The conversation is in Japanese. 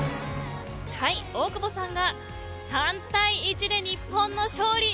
大久保さんが３対１で日本の勝利。